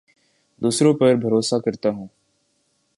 دوسروں پر بھروسہ کرتا ہوں